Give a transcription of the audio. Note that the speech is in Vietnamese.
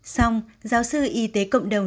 sông giáo sư y tế cộng đồng